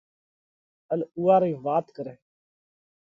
ان اُوئا رئي وات ڪرئھ۔